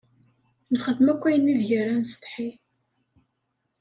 Nexdem akk ayen ideg ara nessetḥi.